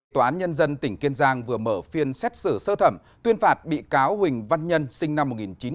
tòa án nhân dân tỉnh kiên giang vừa mở phiên xét xử sơ thẩm tuyên phạt bị cáo huỳnh văn nhân sinh năm một nghìn chín trăm tám mươi